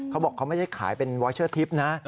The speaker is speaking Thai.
เขาบอกเขาไม่ได้ขายเป็นวอยเชอร์ทิพย์นะ